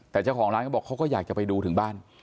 แต่เจ้าของร้านเขาบอกเขาก็อยากจะไปดูถึงบ้าน